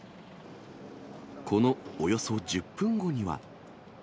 このおよそ１０分後には。